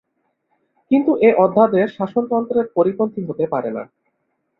কিন্তু এ অধ্যাদেশ শাসনতন্ত্রের পরিপন্থী হতে পারে না।